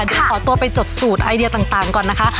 เดี๋ยวขอตัวไปจดสูตรไอเดียต่างก่อนนะคะ